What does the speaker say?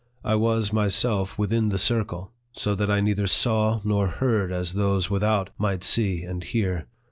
I was myself within the circle ; so that I neither saw nor heard as those without might see and hear.